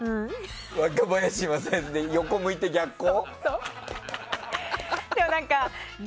若林正恭で横向いて逆光？